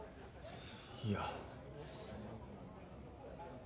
いや。